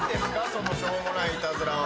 そのしょうもないいたずらは。